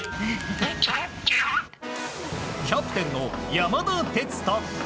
キャプテンの山田哲人。